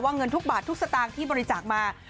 เงินทุกบาททุกสตางค์ที่บริจาคมา